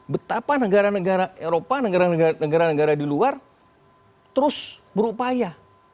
betapa negara negara eropa negara negara di luar terus berupaya